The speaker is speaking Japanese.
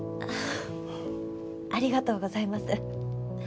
ありがとうございます。